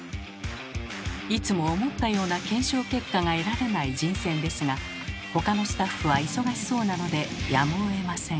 いつも思ったような検証結果が得られない人選ですが他のスタッフは忙しそうなのでやむをえません。